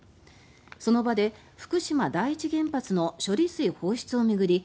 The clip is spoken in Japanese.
その場で福島第一原発の処理水放出を巡り